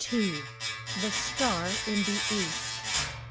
THE STAR IN THE EAST.